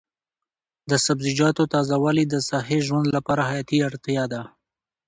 د سبزیجاتو تازه والي د صحي ژوند لپاره حیاتي اړتیا ده.